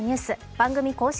番組公式